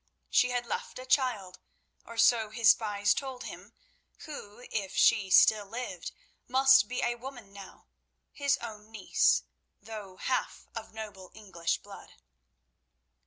She had left a child, or so his spies told him, who, if she still lived, must be a woman now—his own niece, though half of noble English blood.